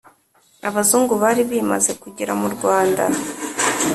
abazungu bari bimaze kugera mu Rwanda.